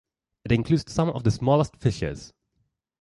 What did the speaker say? It includes some of the smallest fishes.